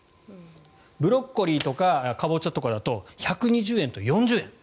ブロッコリーとかカボチャとかだと１２０円と４０円。